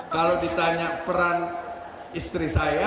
kalau ditanya peran istri saya